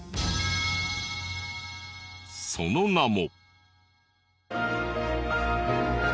その名も。